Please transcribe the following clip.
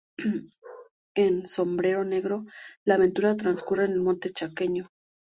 En "Sombrero negro" la aventura transcurre en el monte chaqueño.